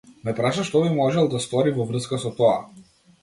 Ме праша што би можел да стори во врска со тоа.